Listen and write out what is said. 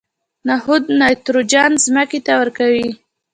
نخود نایتروجن ځمکې ته ورکوي.